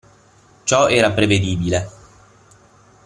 Ciò era prevedibile.